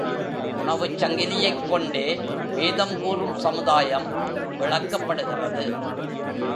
உணவுச் சங்கிலியைக் கொண்டே வேதம் கூறும் சமுதாயம் விளக்கப்படுகிறது.